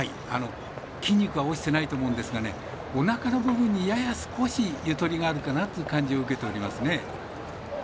筋肉は落ちてないと思うんですがおなかの部分に、やや少しゆとりがあるかなという感じを受けておりますね。